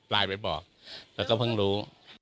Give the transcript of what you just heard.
ไลน์ไปบอกแล้วก็เพิ่งรู้